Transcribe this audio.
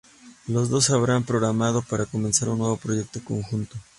Los dos habían programado para comenzar un nuevo proyecto conjunto.